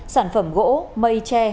sản phẩm gỗ mây tre